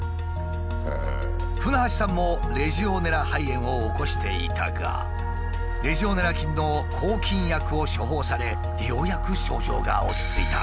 舩橋さんもレジオネラ肺炎を起こしていたがレジオネラ菌の抗菌薬を処方されようやく症状が落ち着いた。